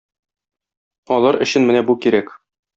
Алар өчен менә бу кирәк.